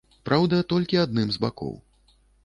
Праўда, толькі адным з бакоў.